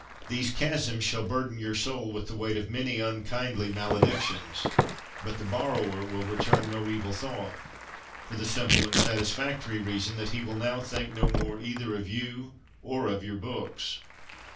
These chasms shall burden your soul with the weight of many unkindly maledictions, but the borrower will return no evil thought, for the simple and sati factory reason that he will now think no more either of you or of your books.